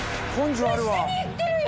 下に行ってるよ。